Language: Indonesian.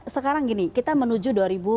sekarang gini kita menuju dua ribu dua puluh